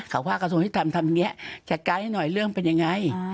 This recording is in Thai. เขาว่ากระทรวงยุทธรรมทำอย่างนี้จัดการให้หน่อยเรื่องเป็นยังไง